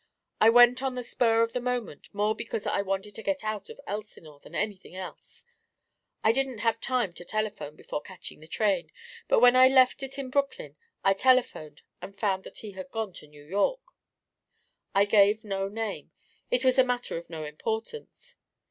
I went on the spur of the moment, more because I wanted to get out of Elsinore than anything else; I didn't have time to telephone before catching the train, but when I left it in Brooklyn, I telephoned and found that he had gone to New York. I gave no name; it was a matter of no importance.